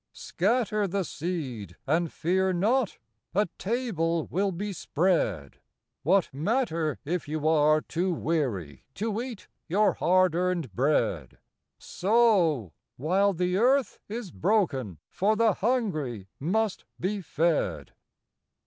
123 Scatter the seed, and fear not, A table will be spread; What matter if you are too weary To eat your hard earned bread : Sow, while the earth is broken, For the hungry must be fed.